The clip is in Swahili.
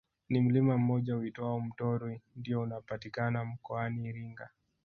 Ni mlima mmoja uitwao Mtorwi ndiyo unapatikana mkoani Iringa